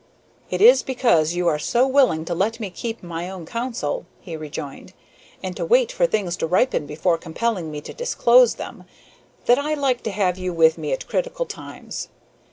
"It is because you are so willing to let me keep my own counsel," he rejoined, "and to wait for things to ripen before compelling me to disclose them, that I like to have you with me at critical times.